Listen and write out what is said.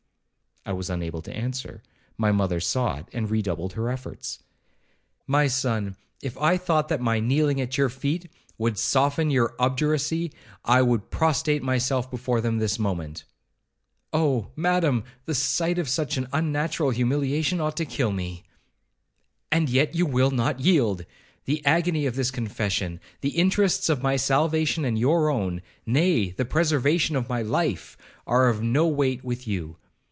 I was unable to answer, my mother saw it, and redoubled her efforts. 'My son, if I thought that my kneeling at your feet would soften your obduracy, I would prostrate myself before them this moment.' 'Oh! madam, the sight of such unnatural humiliation ought to kill me.' 'And yet you will not yield—the agony of this confession, the interests of my salvation and your own, nay, the preservation of my life, are of no weight with you.'